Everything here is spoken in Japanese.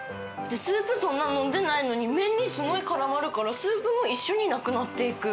スープそんな飲んでないのに麺にすごい絡まるからスープも一緒になくなって行く。